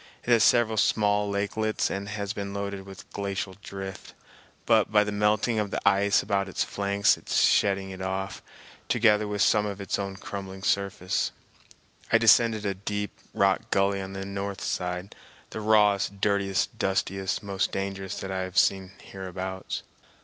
It has several small lakelets and has been loaded with glacial drift, but by the melting of the ice about its flanks is shedding it off, together with some of its own crumbling surface. I descended a deep rock gully on the north side, the rawest, dirtiest, dustiest, most dangerous that I have seen hereabouts.